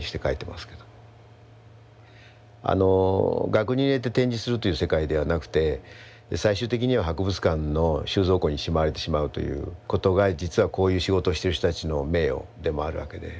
額に入れて展示するという世界ではなくて最終的には博物館の収蔵庫にしまわれてしまうということが実はこういう仕事をしてる人たちの名誉でもあるわけで。